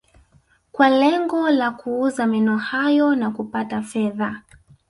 Kwa lengo la kuuza meno hayo na kupata fedha